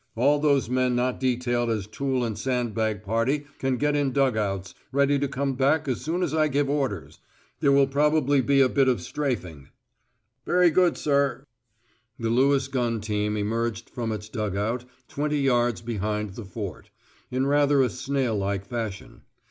All those men not detailed as tool and sand bag party can get in dug outs, ready to come back as soon as I give orders. There will probably be a bit of 'strafing.'" "Very good, sir." The Lewis gun team emerged from its dug out twenty yards behind the Fort, in rather a snail like fashion.